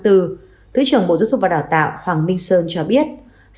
thứ trưởng bộ giáo dục và đào tạo hoàng minh sơn cho biết